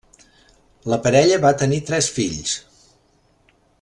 La parella va tenir tres fills: